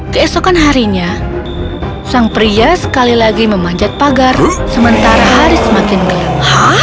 keesokan harinya sang pria sekali lagi memanjat pagar sementara hari semakin gelap